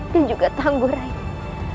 dan juga tangguh raiku